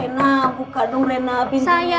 rena buka dong rena pintunya